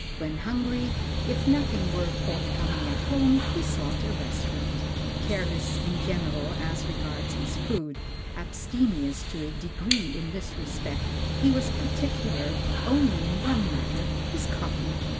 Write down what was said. When hungry, if nothing were forthcoming at home, he sought a restaurant. Careless in general as regards his food, abstemious to a degree in this respect, he was particular only on one matter, his coffee.